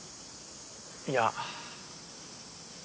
いや。